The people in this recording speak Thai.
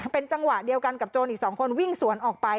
เป็นจังหวะเดียวกันกับโจรอีก๒คนวิ่งสวนออกไป